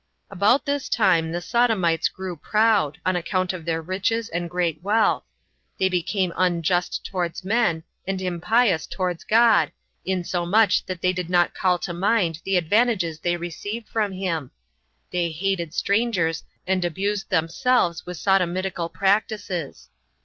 1. About this time the Sodomites grew proud, on account of their riches and great wealth; they became unjust towards men, and impious towards God, insomuch that they did not call to mind the advantages they received from him: they hated strangers, and abused themselves with Sodomitical practices.